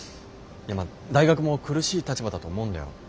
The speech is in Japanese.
いや大学も苦しい立場だと思うんだよ。